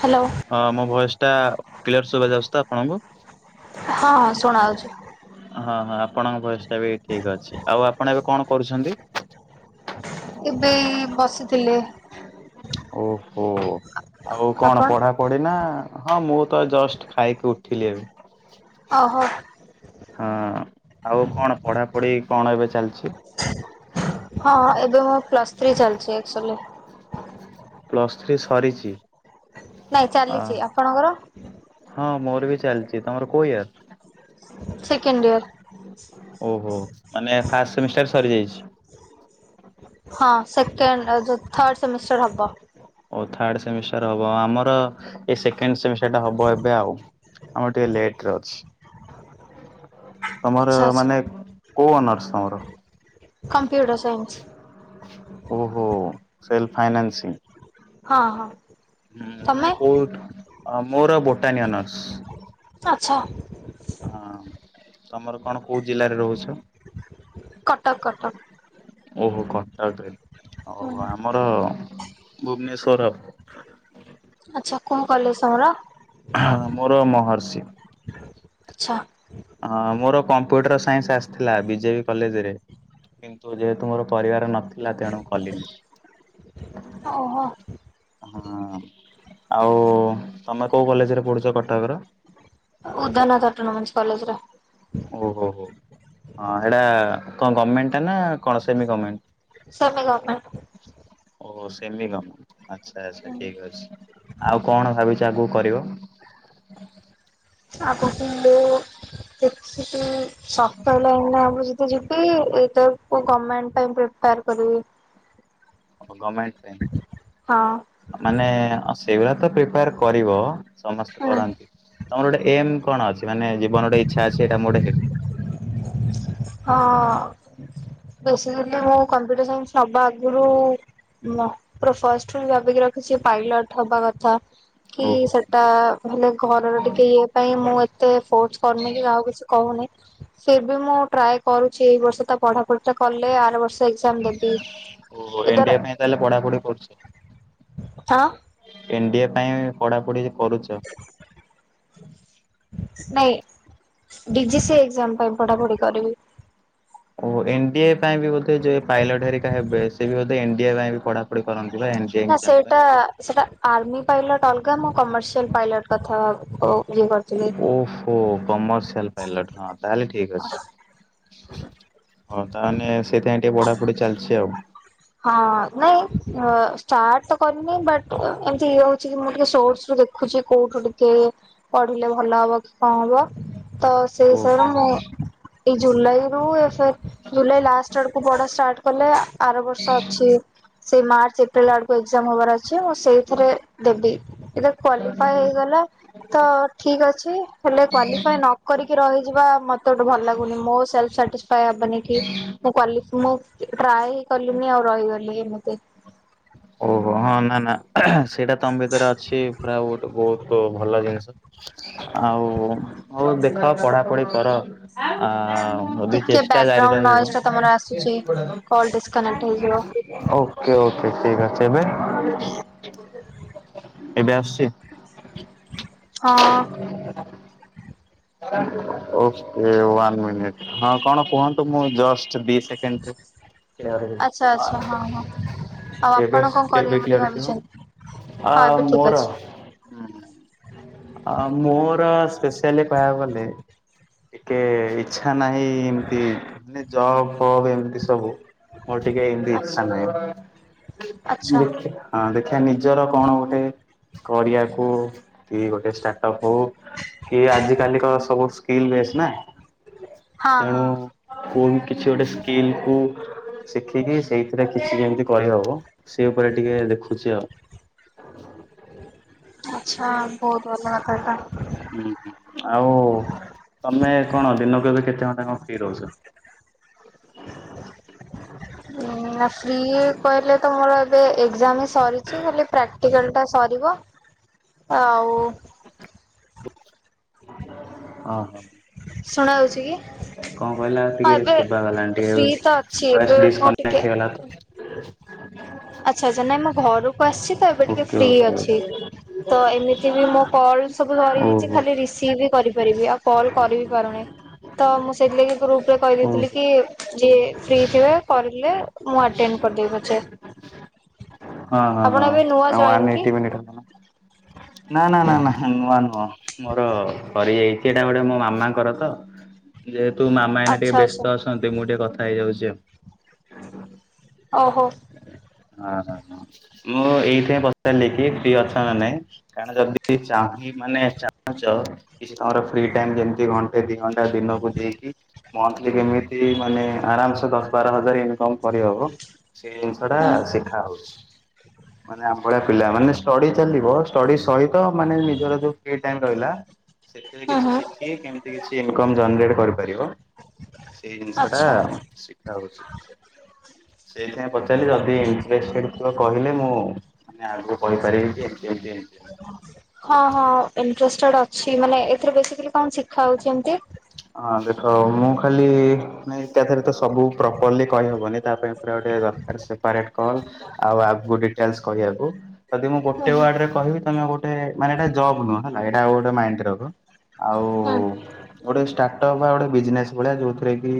Hello ହଁ ମୋ voice ଟା କ୍ଲିୟର ସୁଭା ଯାଉଛି ତ ଆପଣଙ୍କୁ? ହଁଁ ଶୁଣାଯାଉଛି। ହଁ ହଁ ଆପଣଙ୍କ ଭଏସ୍ ଟା ବି ଠିକ୍ ଅଛି ଆଉ ଆପଣ ଏବେ କଣ କରୁଛନ୍ତି? ଏବେ ଏଇ ବସିଥିଲେ। ଓ ହୋ ଆଉ କଣ ଆପଣ ପଢା ପଢି ନା ହଁ ମୁଁ ତ ଜଷ୍ଟ୍ ଖାଇକି ଉ ଥିଲେ ଏବେ। ଓ ହୋ। ହଁ ଆଉ କଣ ପଢାପଢି କଣ ଏବେ ଚାଲିଛି? ହଁ ଏବେ ମୋ ପ୍ଲସ୍ ଥ୍ରୀ ଚାଲିଛି ଏକ୍ଚୁଲି। ପ୍ଲସ୍ ଥ୍ରୀ ସରିଛି ନାଇଁ ଅ ଚାଲିଛି ଆପଣଙ୍କର ହଁ ମୋର ଏବେ ବି ଚାଲିଛି ତମର କୋଉ ଇୟର ସେକେଣ୍ଡ ଡିୟର। ଓ ହୋ ମାନେ ଫାଷ୍ଟ୍ ସେମିଷ୍ଟାର ସରିଯାଇଛି। ହଁ ସେକେଣ୍ଡ ଏ ଯୋଉ ଥାର୍ଡ଼ ସେମିଷ୍ଟାର୍ ହବ। ଓ ଥାର୍ଡ ସେମିଷ୍ଟାର ହବ। ଆମର ଏ ସେକେଣ୍ଡ ସେମିଷ୍ଟାର ଟା ହବ ଏବେ ଆଉ। ଆମର ଟିକେ ଲେଟ୍ ରେ ଅଛି। ତମର ଆଚ୍ଛା ଆଚ୍ଛା ମାନେ କୋଉ ଅନରର୍ସ ତମର? Computer science. ଓ ହୋ ସେଲଫ୍ ଫାଇନ୍ସାସିଙ୍ଗ୍ ହଁ ହଁ। ହୁଁ ମାନେ ତମେ କୋଉଠ ଅ ମୋର ବୋଟାନି ଆଚ୍ଛା ଅନରର୍ସ। ହଁ ତୋମର କଣ କୋଉ ଜିଲ୍ଲାରେ ରହୁଛ? କଟକ କଟକ ଓ ହୋ କଟକରେ ଓ ହୁଁ ହୋ ଆମର ଭୁବନେଶ୍ବର ଆଉ। ଆଛା କଣ କଲେ ସହର ମୋର ମହର୍ଷି ଆଛା। ହଁ ମୋର କମ୍ପ୍ୟୁଟର ସାଇନ୍ସ୍ ଆସିଥିଲା ବି ଜେ ବି କଲେଜ୍ ରେ କିନ୍ତୁ ଯେହେତୁ ମୋର ପରିବାର ନ ଥିଲା ତେଣୁ କଲିନି ଓହୋ ହୁଁ। ଆଉ ତମେ କୋଉ କଲେଜରେ ପଢୁଛ କଟକର? ଅ ଉଦାନ ଅଟନୋମସ୍ କଲେଜରେ। ଓ ହୋ ହୋ ହଁ ସେଇଟା କଣ ଗମେଣ୍ଟ୍ ଟା ନା କଣ ସେମି ସେମି ଗଭର୍ଣମେଣ୍ଟ ଗମେଣ୍ଟ୍ ଓ ହୋ ସେମି ଗମେଣ୍ଟ୍। ଆଛା ଆଛା ଠିକ୍ ଅଛି ଆଉ କଣ ଭାବିଛ ଆଗକୁ କରିବ? [inaudible] ଆଗକୁ ମୁଁ କିଛି ବି ସତରରେ ଏଇନା ମୁଁ ଯଦି ଯିବି ଏକ ବେଳକୁ ଗମେଣ୍ଟ୍ ଇନକ୍ଲିଉଡ୍ କରି ପାରିବି। ଓ ଗମେଣ୍ଟ ହଁ ପାଇଁ ମାନେ ଓ ସେଉରା ତ ପ୍ରିଫାର କରିବ। ସମସ୍ତେ ଉଁ କରାନ୍ତି। ତମର ଗୋଟେ ଏମ୍ କଣ ଅଛି ମାନେ ଜୀବନ ଗୋଟେ ଇଚ୍ଛା ଅଛି ଏଇଟା ମୁଁ ଗୋଟେ ହେବି। ହଁ। ବେଶୀ ଦିନର ମୋ କମ୍ପିଟିସନ୍ ସବା ଆଗରୁ ନା ପୁରା ଫାଷ୍ଟ ରୁ ମୁଁ ଭାବିକି ର କିଛି ପାଇଲଟ୍ ହବା କଥା କି ଓହୋ ସେଟା ହେଲେ ଘରର ଟିକେ ଇଏ ପାଇଁ ମୁଁ ଆ ଏତେ ଫୋର୍ସ କରୁନି କି କାହାକୁ କିଛି କହୁନି ସେ ବି ମୋ ଟ୍ରାଏ କରୁଛି ଏଇ ବର୍ଷ ତ ପଢାପଢି ଟା କଲେ ଆର ବର୍ଷ ଏକ୍ଜାମ ଦେବି ଓହୋ ଏଧର। ଏନ୍ ଡି ଏ ପାଇଁ। ପଢାପଢି କରୁଛ। ନାଇଁ ଡି ଜି ସି ଏକ୍ଜାମ ପାଇଁ ପଢାପଢି କରିବି। ଓ ଏନ୍ ଡି ଏ ପାଇଁ ବି ବୋଧେ ଯେ ପାଇଲଟ ହେରିକା ହେବେ ସେ ବି ବୋଧେ ଏନ୍ ଡି ଏ ପାଇଁ ବି ପଢାପଢି କରନ୍ତି। ବା ଏନଡିଏ ନା ଏକ୍ଜାମ ପାଇଁ। ସେଇଟା ସେଟା ଆର୍ମି ପାଇଲଟ ଅଲଗା ମୁଁ କମର୍ସିଆଲ ପାଇଲଟ କଥା କ ଓହୋ କମ ସିଆଲ ପାଇଲଟ ହଁ ତାହେଲେ ଠିକ ଅଛି। ହଁ ତାହେନେ ସେଥିପାଇଁ ଟିକେ ପଢାପଢି ଚାଲିଛି ଆଉ। ହଁ ନାଇଁ ଅ ଷ୍ଟାର୍ଟ ତ କରିନି ବଟ ଅ ଏମତି ଇଏ ହଉ ଛି ମୁଁ ଟିକେ ସୋର୍ଟସ ରୁ ଦେଖୁଛି କୋଉଠୁ ଟିକେ ପଢିଲେ ଭଲ ହବ କି କଣ ହବ। ତ ସେଇ ଓହୋ ହିସାବରେ ମୁଁ। ଏଇ ଜୁଲାଇ ରୁ ଏଫେ ଜୁଲାଇ ଲାଷ୍ଟ ଆଡକୁ ପଢ଼ା ଷ୍ଟାର୍ଟ କଲେ ଆର ବର୍ଷ ଅଛି ସେଇ ମାର୍ଚ୍ଚ ଏପ୍ରିଲ ଆଡକୁ ଏକ୍ଜାମ ହବାର ଅ ଛି ମୁଁ ସେଇଥିରେ ଦେବି ଏଥିରେ କ୍ଵାଲିଫଏ ହେଇଗଲା ତ ଠିକ ଅଛି। ହେଲେ କ୍ୱାଲିଫଏ ନ କରିକି ରହିଯିବା ମୋତେ ଗୋଟେ ଭଲ ଲାଗୁନି ମୋ ସେଲ୍ଫସାଟିସ କହିହବନି କି ମୁଁ କ୍ୱାଲିଫ ମୁଁ ଟ୍ରାଏ କଲିିନି ଆଉ ରହିଗଲି ଏମିତି। ଓହୋ ହଁ ନା ନା ସେଇଟା ହଉ ଭଲ ଜିନିଷ ଆଉ ହଉ ଦେଖ ପଢା ପଢି କର। ଆ। ଯଦି ଟିକେ ଚେଷ୍ଟା ଜାରି ବ୍ୟାକଗ୍ରାଉଣ୍ଡ ରହିବ ନଏଜ ଟା ତମର ଆସୁଛି କଲ ଡିସକନେକ୍ଟ ହେଇଯିବ ଓକେ ଓକେ। ଠିକ ଅଛି ଏବେ ଏବେ ଆସୁଛି। ହଁ। ଓକେ ୱାନ ମିନିଟ ହଁ କଣ କୁହନ୍ତୁ ମୁଁ ଜଷ୍ଟ ଦି ସେକେଣ୍ଡ ରେ। ଆଚ୍ଛା ଆଚ୍ଛା ହଁ ହଁ ଆଉ ଏବେ ଆପଣ କଣ କରିବେ ଏବେ ବୋଲି କିୟର ଶୁ [unintelligible] ଭାବିଛନ୍ତି ଆ ହଁ ଏବେ ଠିକ ମୋର ଅଛି ହୁଁ। ଆ ମୋର ସ୍ପେଶିଆଲି କହିବାକୁ ଗଲେ ଟିକେ ଇଚ୍ଛା ନାହିଁ ଏମିତି ମା ଜବ୍ ଫବ୍ ଏମିତି ସବୁ। ମୋର ଟିକେ ଏମିତି ଇଚ୍ଛା ନାହିଁ ଦେଖେ ହଁ ଦେଖିବା ନିଜର। କଣ ଗୋଟେ କରିବାକୁ କି ଗୋଟେ ଷ୍ଟାର୍ଟ ଅପ ହଉ କି ଆଜି। କାଲି କ ସବୁ ସ୍କିଲ୍ ବେସ୍ ନା ହଁ ତେଣୁ ହଁ କୁ କିଛି ଗୋଟେ। କିଲ କୁ। ଶିଖିକି ସେଇଥିରେ କିଛି ଯେମିତି କରିହବ ସେ ଉପରେ ଟିକେ ଦେଖୁଛି ଆଉ। ଆଚ୍ଛା ବହୁତ ଭଲ କଥା ତ। ହୁଁ ହୁଁ ଆଉ ତମେ କଣ ଦିନକୁ ଏବେ କେତେ ଘଣ୍ଟା କ ରହୁଚ। ଓ ଆ ଫ୍ରି କହିଲେ ତ ମୋର। ଏବେ ଏକ୍ଜାମ ବି ସରିଛି ଖାଲି ପ୍ରାକ୍ଟିକାଲ। ସରିବ ଆଉ। ହଁ ହଁ। ଶୁଣା ହଉଛି କି? କଣ କହିଲ ହଁ ଟିକେ ଏବେ ଶୁଭା ଗଲାନି ଫ୍ରି ତ ଅଛି ଟିକେ ଏବେ ଭଏସ ମୁଁ ଟିକେ ଡିସକନେକ୍ଟ ହେଇଗଲା ତ। ଆଚ୍ଛା ଆଚ୍ଛା ନାଇଁ ମୁଁ ଘରକୁ ଆସିଛି। ତ ଏବେ ଟିକେ ଓକେ ଫ୍ରି ଓକେ ଅଛି ତ ଏମିତି ବି ମୋ କଲ୍ ସବୁ ଧରି ଦେଇଛି ଓହୋ ଖାଲି ରିସିଭ ହି କରି ପାରିବି ଆଉ କଲ କରିବି ପାରୁନି। ତ ମୁଁ ସେଇଥିଲାଗି ଗ୍ରୁପରେ ଓହୋ କହିଦେଇଥିଲି କି ଯିଏ ଫ୍ରି ଥିବେ କରିଲେ ମୁଁ ଆଟେ କରିଦେବି ପଛେ। ହଁ ହଁ ହଁ ଆପଣ ଏବେ ନୂଆ ଆଉ ଜଏନ୍ ୱାନ କି? ଏଇଟି ମିନିଟ ହବ ନା। ନା ନା ନା ନା ନୂଆ ନୁହଁ ମୋର ସରିଯାଇଛି ଏଇଟା ଗୋଟେ ମୋ ମାମାଙ୍କର ତ, ଯେହେତ ତୁ ମାମା ଏଇନା ଟିକେ ଆଚ୍ଛା ଆଚ୍ଛା ବ୍ୟସ୍ତ ଅଛନ୍ତି ମୁଁ ଟିକେ କଥା ହେଇଯାଉଛି ଆଉ। ଓହୋ। ହଁ ହଁ ହଁ ମୁଁ ଏଇଥିପାଇଁ ପଚାରିଲି କି ଫ୍ରି ଅଛ ନା ନାଇଁ, କାରଣ ଯଦି ଚାହିଁ ମାନେ ଚାହୁଁଚ ଚ, କିଛି ଆମର ଫ୍ରି ଟାଇମ୍ ଯେମତି ଘଣ୍ଟେ ଦିଘଣ୍ଟା ଦିନକୁ ଦେଇକି, ମନ୍ଥଲି କେମିତି ମା ମାନେ ଆରାମସେ ଦଶ ବାର ହଜାର ଇନକମ କରିହବ, ସେ ଜିନିଷ ଟା ହୁଁ ଶିଖା ହଉଛି। ହୁଁ ମାନେ ଆମଭଳିଆ ପିଲା ମାନେ ଷ୍ଟଡି ଚାଲିବ, ଷ୍ଟଡି ସହିତ ମାନେ ନିଜର ଯୋଉ ଫ୍ରି ଟାଇମ୍ ରହିଲା ସେଥିରେ ହୁଁ କିଛି ହୁଁ ଶିଖି କେମିତି କିଛି ଇନକମ୍ ଜନେରେଟ କରିପାରିବ ସେଇ ଜିନିଷଟା ଆଚ୍ଛା। ଶିଖା ହଉଛି। ସେଇଥିପାଇଁ ପଚାରିଲି ଯଦି ଇଣ୍ଟ୍ରେଷ୍ଟେଡ ଥିବ କହିଲେ ମୁଁ ମାନେ ଆଗକୁ କହିପାରିବି ଯେ ମତେ ହଁ ହଁ ଇଣ୍ଟ୍ରେଷ୍ଟେଡ ଅଛି ମାନେ ଏଥିରେ ବେଶିକାଲି କଣ ଅଛି ଖାଉଛି ଏମତି ହଉ ମୁଁ ଖାଲି ନାଇଁ ତା ଧେରେ ତ ସବୁ ପ୍ରପରଲି କହି ହବନି ତା ପାଇଁ ଗୋଟା ଗୋଟାଏ ଦରକାର ସେପାରେଟ କଲ, ଆଉ ଆଗକୁ ଡିଟେଲସ କହିଆକୁ ଯଦି ମୁଁ ହୁଁ ଗୋଟେ ହୁଁ ୱାର୍ଡରେ କହିବି ତମେ ଗୋଟେ ମାନେ ଏଇଟା ଜବ ନୁହଁ ହେଲା ଏଇଟା ଆଉ ଗୋଟେ ମାଇଣ୍ଡ ରଖ। ଆଉ ହଁ। ସ୍ଟାର୍ଟ ଅପ୍ ବା ଗୋଟେ ବିଜନେସ୍ ଭଳିଆ ଯୋଉଥିରେ କି,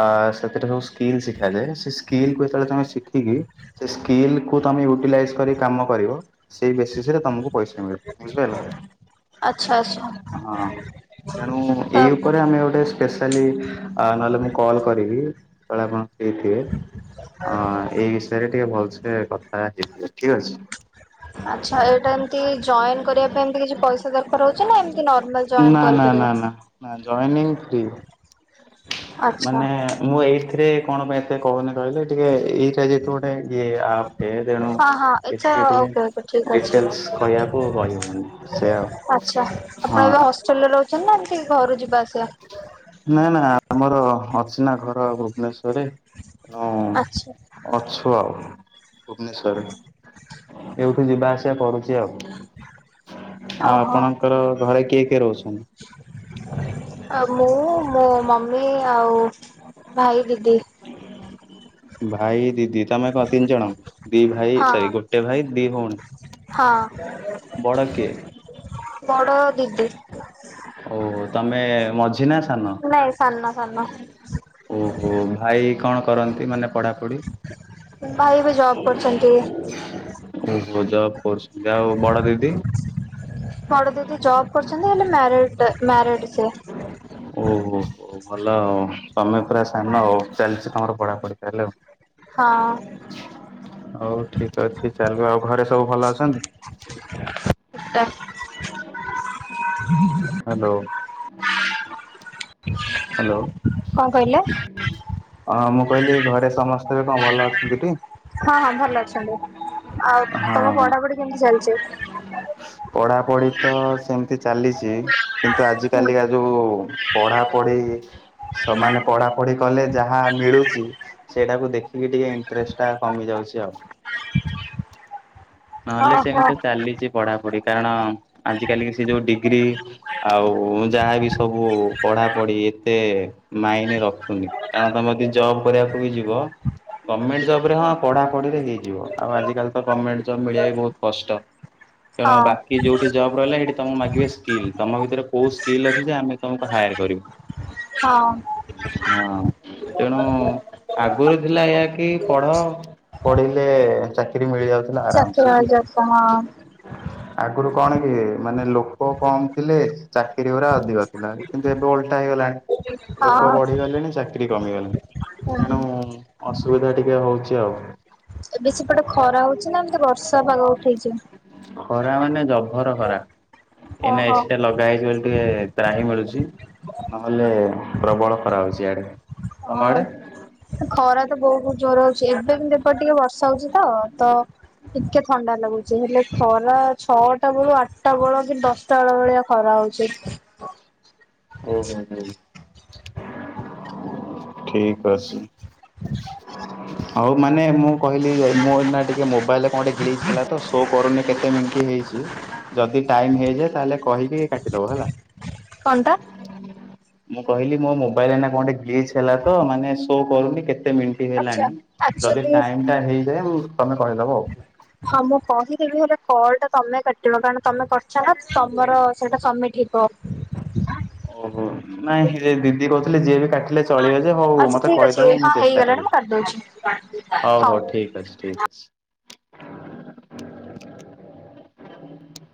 ଆ ସେଥିରେ ସବୁ ସ୍କିଲ୍ ଶିଖାଯାଏ। ସେ ସ୍କିଲ୍ ଯେତେବେଳେ ଚାହିଁବେ ଶିଖିକି ସେ ସ୍କିଲ୍ କୁ ତମେ ୟୁଟିଲାଇଜ କରି କାମ କରିବ, ସେଇ ବେସିସ ରେ ତମକୁ ପଇସା ମିଳିବ, ବୁଝିଲେ ନା? ଆଚ୍ଛା ଆଚ୍ଛା ହଁ। ତେଣୁ ଏଇ ତାକୁ ଉପରେ ଆମେ ଗୋଟେ ସ୍ପେଶାଲି ନହେଲେ ମୁଁ କଲ କରିବି ଯେତେବେଳେ ଆପଣ ହେଇଥିବେ, ଅ ଏଇ ବିଷୟରେ ଟିକେ ଭଲସେ କଥା ହେଇଯିବେ ଠିକ ଅଛି। [inaudible] ଆଚ୍ଛା ଏଇଟା ଏମତି ଜଏନ୍ କରିବା ପାଇଁକି ଏମତି କିଛି ପଇସା ଦରକାର ହଉଛି ନା ଏମିତି ନର୍ମାଲ ଜଏନ ନା କରି ନା ନା ନା ଜଏନିଂ ଫ୍ରି। ଆଚ୍ଛା ମାନେ ମୁଁ ଏଇଥିରେ କଣ ପାଇଁ ଏତେ କହୁନି କହିଲେ, ଟିକେ ଏଇଟା ଯେହେତୁ ଗୋଟିଏ ଟିଏ ଆପ୍ ଟେ, ତେଣୁ ହଁ ହଁ ଆଚ୍ଛା ଏଥିରେ ଟିକେ ଓକେ ଓକେ ଠିକ୍ ଅଛି। ଡିଟେଲସ କହିଆକୁ କହିବନି। ଆଚ୍ଛା। ଆପଣ ଏବେ ହଷ୍ଟେଲରେ ରହୁଛନ୍ତି ନା ଏମିତି ଘରୁ ଯିବା ଆସିବା? ନା ନା ଆମର ଅଛି ନା ଘର ଭୁବନେଶ୍ଵରରେ। ହଁ ଆଚ୍ଛା ଅଛୁ ଆଉ ଭୁବନେଶ୍ୱରରେ। ଏଇଠୁ ଯିବା ଆସିବା କରୁଚି ଆଉ। ଆଉ ଓହୋ ଆପଣଙ୍କର ଘରେ କିଏ କିଏ ରହୁଛନ୍ତି? ଆଉ ମୁଁ ମୋ ମମି ଆଉ ଭାଇ, ଦିଦି। ଭାଇ, ଦିଦି। ତମେ କଣ ତିନ ଜଣ? ଦି ଭାଇ ସରି ହଁ ଗୋଟେ ଭାଇ ଦି ଭଉଣୀ। ହଁ ବଡ କିଏ? ବଡ ଦିଦି ହଉ ହଉ ତମେ ମଜା ନାଇଁ ସାନ ସାନ। ଏଇ କଣ କରନ୍ତି ମାନେ ପଢ଼ା ଭାଇ ବି ଜବ କରୁଚନ୍ତି। ଓହୋ ଜବ କରୁଛନ୍ତି। ଆଉ ବଡ ଦିଦି? ବଡ ଦିଦି ଜବ କରୁଛନ୍ତି, ହେଲେ ମ୍ୟାରେଡ ମ୍ୟାରେଡ଼ ସିଏ। ଓହୋ ହୋ ଭଲ ଆଉ। ତମେ ପୁରା ସାନ ଆଉ ଚାଲଚି ତମର ପଢାପଢି ତାହେଲେ ଆଉ। ହଁ। ହଉ ଠିକ ଅଛି ଚାଲୁ ଆଉ। ଘରେ ସବୁ ଭଲ ଅଛନ୍ତି? ତ ହ୍ୟାଲୋ ହ୍ୟାଲୋ, କଣ କହିଲେ? ହଁ ମୁଁ କହିଲି ଘରେ ସମସ୍ତେ ବି କଣ ଭଲ ଅଛନ୍ତି ଟି? ହଁ ହଁ ଭଲ ଅଛନ୍ତି ଆଉ ହଁ ତମ ହଁ। ପଢାପଢି କେମତି ଚାଲିଛି? ପଢ଼ାପଢ଼ି ତ ସେମିତି ଚାଲିଛି କିନ୍ତୁ ଆଜିକାଲିକା ଯଉ ପଢାପଢି ସମାନ ପଢାପଢି କଲେ ଯାହା ମିଳୁଛି ସେଇଟାକୁ ଦେଖି ଟିକେ ଇନଟ୍ରେଷ୍ଟ ଟା କମି ଯାଉଛି ଆଉ ନହେଲେ ଓହୋ ସେମିତି ଚାଲିଛି ପଢାପଢି କାରଣ ଆଯି କାଲି କା ସେ ଯୋଉ ଡିଗ୍ରୀ ଆଉ ଯାହା ବିି ସବୁ ପଢ଼ାପଢି ଏତେ ମାଇନେ ରଖୁନି କାରଣ ତମେ ଯି ଜବ୍ କରିବାକୁ ବି ଯିବ ଗମେଣ୍ଟ ଜବ୍ ହ ପଢ଼ାପଢ଼ିରେ ହେଇଯିବ ଆଜିକା ତ ଗମେଣ୍ଟ ହେ ବହୁତ କଷ୍ଟ ତେଣୁ ହଁ ବାକି ଯୋଉଠି ଜବ ରହିଲା ହେଇଠି ତମ ମାଗିବେ ତମକୁ ସ୍କିଲ ତମଭି ରେ କୋଉ ସ୍କିଲ୍ ଅଛି ଯେ ଆମେ ତମକୁ ହାୟର କରିବୁ। ହଁ, ହଁ ତେଣୁ ଆଗରୁ ଥିଲା ଏୟା କି ପଢ ପଢିଲେ ଚାକିରି ମିଳିଯାଉଥିଲା ଆରାମ ଚାକିରି ସେ ବାଜିଆକୁ ହଁ ଆଗରୁ କଣ କିଏ ମାନେ ଲୋକ କମ ଥିଲେ ଚାକିରି ଗୁରା ଅଧିକ ଥିଲା କିନ୍ତୁ ଏବେ ଓଲଟା ହେଇଗଲାଣି। ଲୋକ ହଁ ବଢିଗଲେଣି ଚାକିରି କମିଗଲେ ହୁଁ ତେଣୁ ଅସୁବିଧା ଟିକେ ହଉଛି ଆଉ। ଏବେ ସେ ପଟେ ଖରା ହଉଛି ନା ଏମିତି ବର୍ଷା ପାଗ ଉଠେଇଛି ଖରା ମାନେ ଜଭର ଖରା ଏଇନା ଓହୋ ଏସିଟା ଲଗା ହେଇଛି ବୋଲି ଟିକେ ତ୍ରାହି ମିଳୁଛି ନହେଲେ ପ୍ରବଳ ଖରା ହଉଛି ଇଆଡେ। ତମ ହ ଆଡେ? ଖରା ତ ବହୁତ ଜୋର ହଉଛି। ଏବେ କିନ୍ତୁ ଏବେ ଟିକେ ବର୍ଷା ହଉଛି ତ ତ ଟିକେ ଥଣ୍ଡା ଲାଗୁଛି ହେଲେ ଖରା ଛଅଟା ବେଳୁ ଆଠଟା ବେଳ କି ଦଶଟା ବେଳ ଭଳିଆ ଖରା ହଉଚି ଓହୋ ହୋ ଠିକ ଅଛି, ହଉ ମାନେ ମୁଁ କହିଲି ମୋ ଏ ନା ଟିକେ ମୋବାଇଲରେ କଣେ ଗିଲିଚ ତ ଶୋ କରୁନି କେତେ ମିନିଟ ହେଇ ଯଦି ଟାଇମ ହେଇଯାଏ ତାହେଲେ କହିକି କାଟିଦବ ହେଲା। କଣଟା? ମୁଁ କହିଲି ମୋ ମୋବାଇଲ ନା କଣ ଗ୍ଲିଚ ହେଲା ତ ମାନେ ଶୋ କରୁନି କେତେ ମିନି ଟ ଆଚ୍ଛା ହେଲାଣି ଯଦି ଆକ୍ଚୁଆଲି ଟାଇମ ଟା ହେଇଯାଏ ମୁଁ ତମେ କହିଦବ ଆଉ। ହଁ ମୁଁ କହିଦେବି ହେଲେ କଲ ଟା ତମେ କାଟିବ କାରଣ ତମେ କରିଛ ନା ତମର ସେଇଟା ସମମିଟ ହେବ। ଓହୋ ନାଇଁ ସେ ଦିଦି କହୁଥିଲେ ଯିଏ ବି କାଟି ଲେ ଚଳିବ ଯେ ହଉ ଆଚ୍ଛା ମତେ ଠିକ ଅଛି କହିଦବ ମୁଁ ହଁ ଚେଷ୍ଟା ହେଇଗଲାଣି ମୁଁ କାଟିଦଉଛି କରିବି ହଉ ହଉ ଠିକ ଅଛି ଠିକ ଅଛି।